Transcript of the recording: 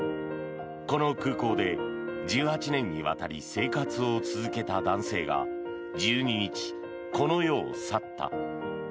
この空港で１８年にわたり生活をつづけた男性が１２日、この世を去った。